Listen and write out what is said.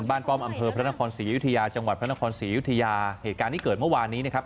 แผนต่อตาเลยนะครับใช่นี่เป็นเหตุการณ์ที่เกิดขึ้นนะครับ